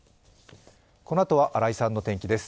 このあとは新井さんの天気です。